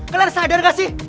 kalian sadar gak sih